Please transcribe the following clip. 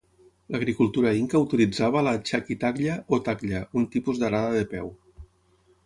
L'agricultura inca utilitzava la "chaki taklla" o "taklla", un tipus d'arada de peu.